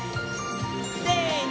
せの！